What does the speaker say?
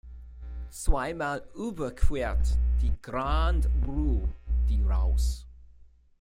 Zweimal überquert die "Grande Rue" die Raus.